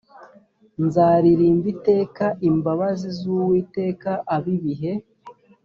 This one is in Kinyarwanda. nzaririmba iteka imbabazi z uwiteka ab ibihe